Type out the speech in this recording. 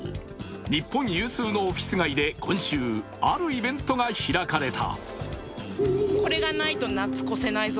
日本有数のオフィス街で今週あるイベントが開かれた。